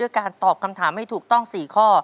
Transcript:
ด้วยการตอบคำถามไม่ถูกต้อง๔ข้อ